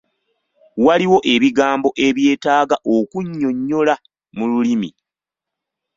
Waliwo ebigambo ebyetaaga okunnyonnyola mu lulimi.